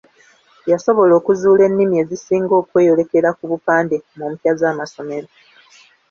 Yasobola okuzuula ennimi ezisinga okweyolekera ku bupande mu mpya z'amasomero.